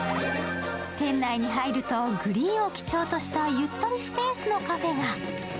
店内に入るとグリーンを基調としたゆったりなカフェが。